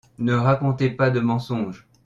Ne racontez pas de mensonges.